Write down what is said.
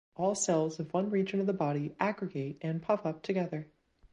All cells of one region of the body aggregate and puff up together.